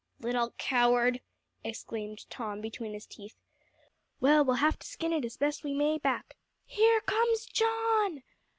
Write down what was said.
"Little coward!" exclaimed Tom between his teeth. "Well, we'll have to skin it as best we may back. _Here comes John!